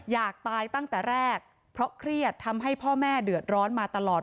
อยากตายตั้งแต่แรกเพราะเครียดทำให้พ่อแม่เดือดร้อนมาตลอด